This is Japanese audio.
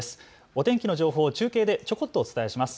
お天気の情報を中継でちょこっとお伝えします。